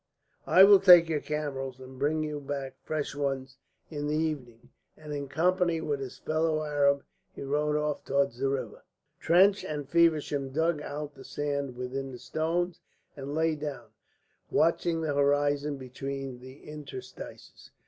I will take your camels, and bring you back fresh ones in the evening." And in company with his fellow Arab he rode off towards the river. Trench and Feversham dug out the sand within the stones and lay down, watching the horizon between the interstices.